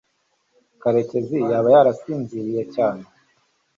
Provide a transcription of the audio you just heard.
karekezi yaba yarasinziriye cyane